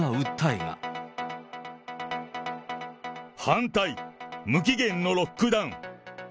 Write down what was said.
反対、無期限のロックダウン。